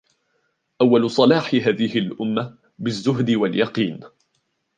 أَوَّلُ صَلَاحِ هَذِهِ الْأُمَّةِ بِالزُّهْدِ وَالْيَقِينِ